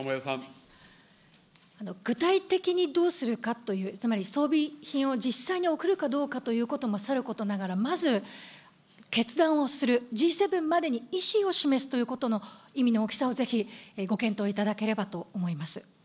具体的にどうするかという、つまり装備品を実際に送るかどうかということもさることながらまず決断をする、Ｇ７までに意思を示すということの意味の大きさをぜひご検討いただければと思います。